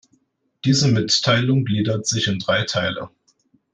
Diese Mitteilung gliedert sich in drei Teile.